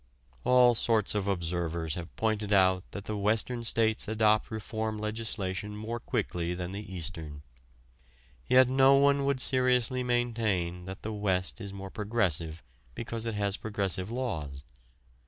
All sorts of observers have pointed out that the Western States adopt reform legislation more quickly than the Eastern. Yet no one would seriously maintain that the West is more progressive because it has progressive laws.